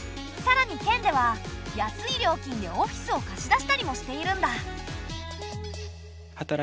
さらに県では安い料金でオフィスを貸し出したりもしているんだ。